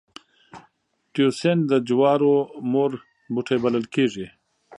تیوسینټ د جوارو مور بوټی بلل کېږي